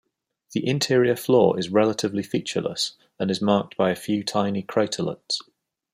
The interior floor is relatively featureless, and is marked by a few tiny craterlets.